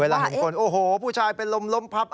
เห็นคนโอ้โหผู้ชายเป็นลมล้มพับ